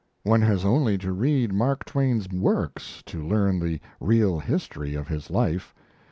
One has only to read Mark Twain's works to learn the real history of his life.